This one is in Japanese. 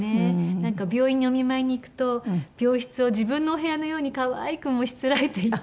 なんか病院にお見舞いに行くと病室を自分のお部屋のように可愛くしつらえていて。